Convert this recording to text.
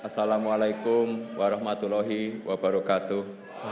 assalamualaikum warahmatullahi wabarakatuh